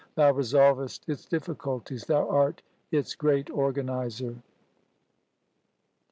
Thou resolvest its difficulties, Thou art its great Organizer.